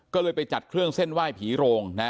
ก็เลยไปจัดเครื่องเส้นไหว้ผีโรงนะ